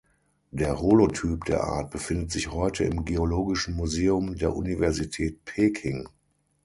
Der Holotyp der Art befindet sich heute im Geologischen Museum der Universität Peking.